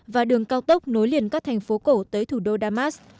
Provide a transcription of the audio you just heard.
và đường cao tốc nối liền các thành phố cổ tới thủ đô damas